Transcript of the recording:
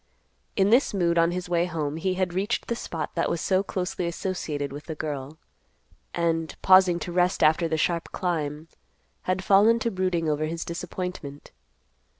In this mood on his way home, he had reached the spot that was so closely associated with the girl, and, pausing to rest after the sharp climb, had fallen to brooding over his disappointment.